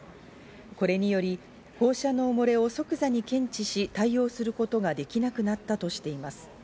これにより、放射能漏れを即座に検知し対応することができなくなったとしています。